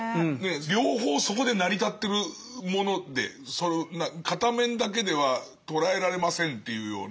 両方そこで成り立ってるもので片面だけでは捉えられませんというような。